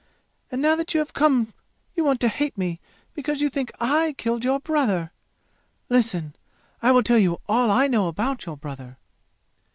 And now that you have come you want to hate me because you think I killed your brother! Listen I will tell you all I know about your brother."'